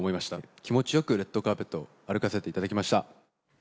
気持ちよくレッドカーペット歩かせていただきました。